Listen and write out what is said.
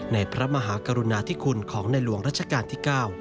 พระมหากรุณาธิคุณของในหลวงรัชกาลที่๙